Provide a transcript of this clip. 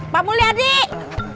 pak mulya adik